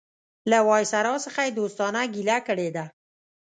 له وایسرا څخه یې دوستانه ګیله کړې ده.